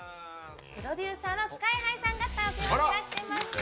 プロデューサーのＳＫＹ‐ＨＩさんがスタジオにいらしてます。